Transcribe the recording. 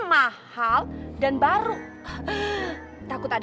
ya yaudah yuk yuk